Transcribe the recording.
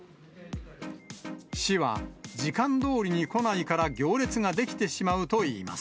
市は、時間どおりに来ないから行列が出来てしまうといいます。